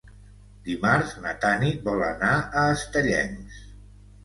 Dimarts na Tanit vol anar a Estellencs.